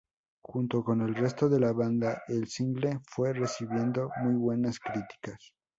Junto con el resto de la banda, el single fue recibiendo muy buenas críticas.